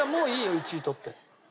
１位取って。